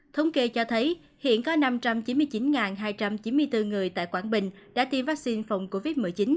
thống kê cho thấy hiện có năm trăm chín mươi chín hai trăm chín mươi bốn người tại quảng bình đã tiêm vaccine